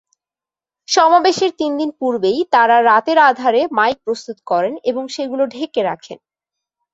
সমাবেশের তিনদিন পূর্বেই তারা রাতের আধারে মাইক প্রস্তুত করেন এবং সেগুলো ঢেকে রাখেন।